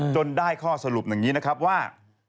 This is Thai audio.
จนได้ข้อสรุปแบบนี้นะครับว่า